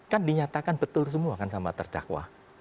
kan dinyatakan betul semua kan sama terdakwa